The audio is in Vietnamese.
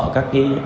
ở các cái đối tượng